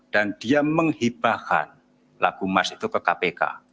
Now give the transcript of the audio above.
dan dia menghibahkan lagu mars itu ke kpk